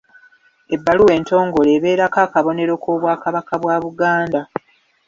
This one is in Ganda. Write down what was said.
Ebbaluwa entongole ebeerako akabonero k’Obwakabaka bwa Buganda.